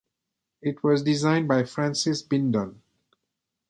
It was designed by Francis Bindon.